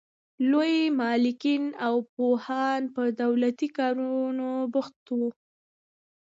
لوی مالکین او پوهان په دولتي کارونو بوخت وو.